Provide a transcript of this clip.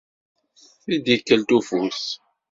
Tidikelt ufus.